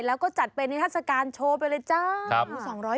แล้วก็จัดไปในฮาศการโชว์ใช่มั้ย